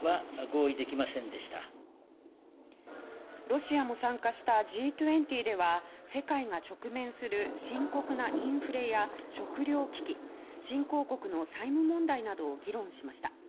ロシアも参加したＧ２０では世界が直面する深刻なインフレや食料危機新興国の債務問題などを議論しました。